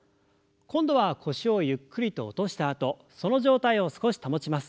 今度は腰をゆっくりと落としたあとその状態を少し保ちます。